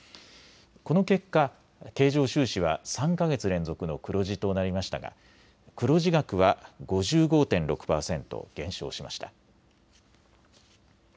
この結果、経常収支は３か月連続の黒字となりましたが黒字額は５５．６％減少しました。